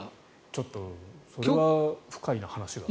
ちょっとそれは深いな話が。